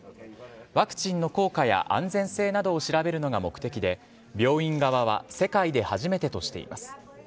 ワクチンの効果や安全性などを調べるのが目的で、病院側は世界で初めてとしています。